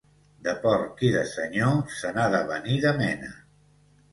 De porc i de senyor se n'ha de venir de mena